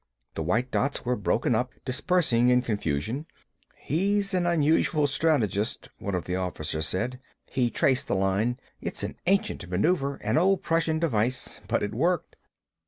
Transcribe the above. The white dots were broken up, dispersing in confusion. "He's an unusual strategist," one of the officers said. He traced the line. "It's an ancient maneuver, an old Prussian device, but it worked."